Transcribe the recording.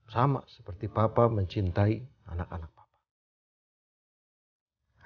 sama seperti bapak mencintai anak anak bapak